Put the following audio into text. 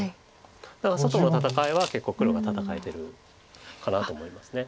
だから外の戦いは結構黒が戦えてるかなと思います。